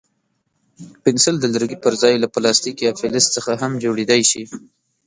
پنسل د لرګي پر ځای له پلاستیک یا فلز څخه هم جوړېدای شي.